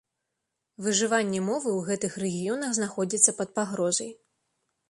Выжыванне мовы ў гэтых рэгіёнах знаходзіцца пад пагрозай.